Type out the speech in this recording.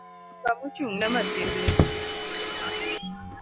Namba mochung'ne masindno